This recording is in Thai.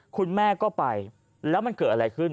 คุณแม่ก็ไปแล้วมันเกิดอะไรขึ้น